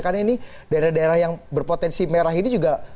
karena ini daerah daerah yang berpotensi merah ini juga